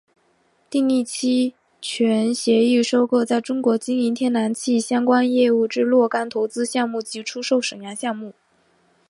订立期权协议收购在中国经营天然气相关业务之若干投资项目及出售沈阳项目。